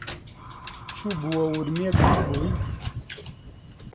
چووبووە ورمێ گوتبووی: